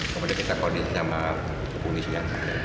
kepada kita koordinasi sama kekunisnya